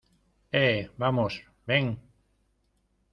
eh, vamos... ven ...